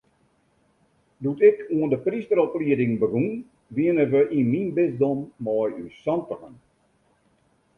Doe't ik oan de prysteroplieding begûn, wiene we yn myn bisdom mei ús santigen.